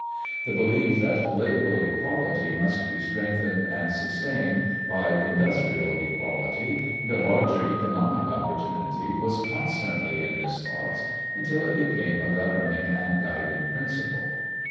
The belief that political equality must be strengthened and sustained by industrial equality and a larger economic opportunity was constantly in his thoughts until it became a governing and guiding principle.